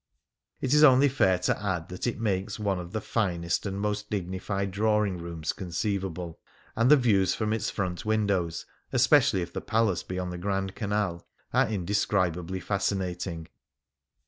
It is only fair to add that it makes one of the finest and most 47 Things Seen in Venice dignified drawing rooms conceivable. And the views from its front windows — especially if the palace be on the Grand Canal — are indescrib ably fascinating.